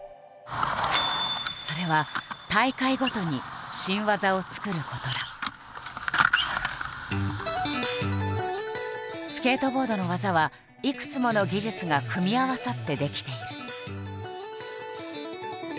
それはスケートボードの技はいくつもの技術が組み合わさって出来ている。